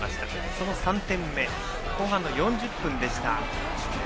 その３点目、後半の４０分でした。